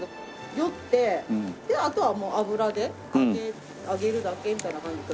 よってあとはもう油で揚げるだけみたいな感じです。